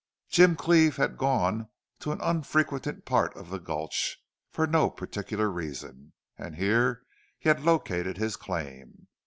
Jim Cleve had gone to an unfrequented part of the gulch, for no particular reason, and here he had located his claim.